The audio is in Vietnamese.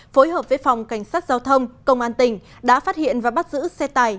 phối hợp với phòng cảnh sát giao thông công an tỉnh đã phát hiện và bắt giữ xe tải